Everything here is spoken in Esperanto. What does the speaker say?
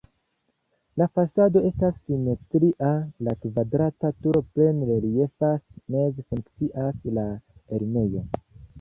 La fasado estas simetria, la kvadrata turo plene reliefas, meze funkcias la enirejo.